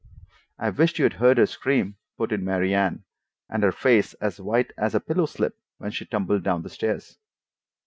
"I wisht you'd heard her scream," put in Mary Anne. "And her face as white as a pillow slip when she tumbled down the stairs."